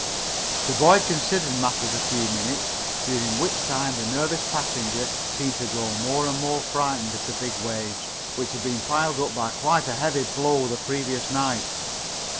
The boy considered matters a few minutes, during which time the nervous passenger seemed to grow more and more frightened of the big waves, which had been piled up by quite a heavy blow the previous night.